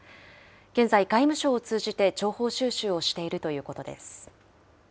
現在、外務省を通じて情報収集をしているということです。